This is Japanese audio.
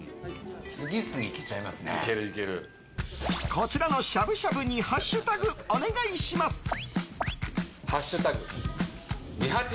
こちらのしゃぶしゃぶにハッシュタグお願いします！え？